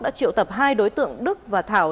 đã triệu tập hai đối tượng đức và thảo